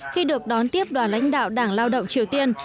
khi được đón tiếp đoàn lãnh đạo đảng lao động triều tiên